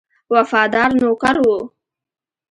وفادار نوکر وو.